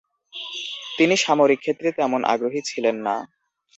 তিনি সামরিক ক্ষেত্রে তেমন আগ্রহী ছিলেন না।